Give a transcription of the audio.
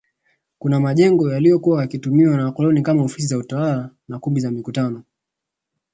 Kuna majengo yaliyokuwa yakitumiwa na wakoloni kama ofisi za utawala na kumbi za mikutano